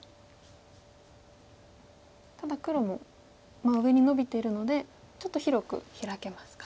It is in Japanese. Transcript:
ただ黒も上にノビているのでちょっと広くヒラけますか。